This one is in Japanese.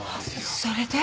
それで？